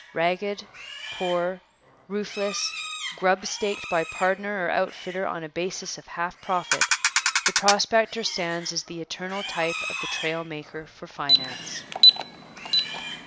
Ragged, poor, roofless, grubstaked by 'pardner' or outfitter on a basis of half profit, the prospector stands as the eternal type of the trail maker for finance.